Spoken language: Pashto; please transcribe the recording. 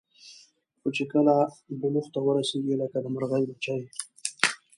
خو چې کله بلوغ ته ورسېږي لکه د مرغۍ بچي.